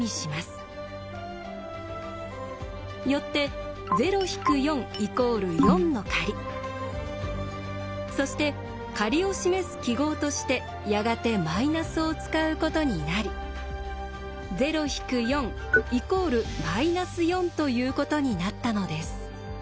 よってそして借りを示す記号としてやがてマイナスを使うことになりということになったのです。